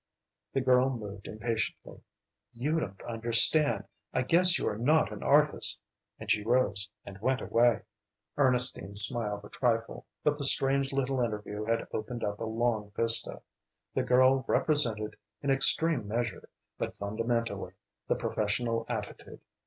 The girl moved impatiently. "You don't understand. I guess you are not an artist," and she rose and went away. Ernestine smiled a trifle, but the strange little interview had opened up a long vista. The girl represented, in extreme measure, but fundamentally, the professional attitude.